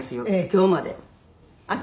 今日まで。